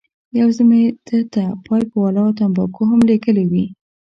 یو ځل مې ده ته پایپ والا تنباکو هم لېږلې وې.